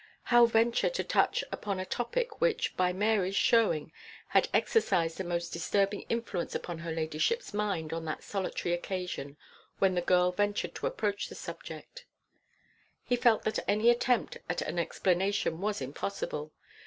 how venture to touch upon a topic which, by Mary's showing, had exercised a most disturbing influence upon her ladyship's mind on that solitary occasion when the girl ventured to approach the subject? He felt that any attempt at an explanation was impossible.